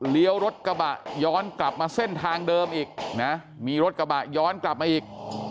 รถกระบะย้อนกลับมาเส้นทางเดิมอีกนะมีรถกระบะย้อนกลับมาอีก